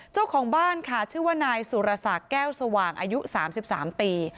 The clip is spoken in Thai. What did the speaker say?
เจ้าของบ้านค่ะชื่อว่านายสุรศักดิ์แก้วสว่างอายุ๓๓ปี